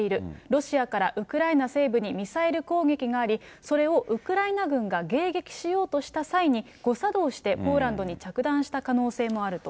ロシアからウクライナ西部にミサイル攻撃があり、それをウクライナ軍が、迎撃しようとした際に誤作動してポーランドに着弾した可能性もあると。